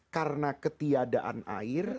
karena ketiadaan air